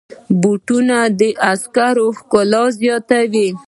بوټونه د عکسونو ښکلا زیاتوي.